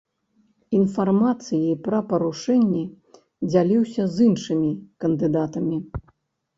Інфармацыяй пра парушэнні дзяліўся з іншымі кандыдатамі.